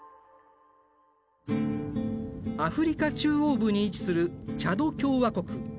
アフリカ中央部に位置するチャド共和国。